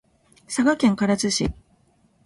佐賀県唐津市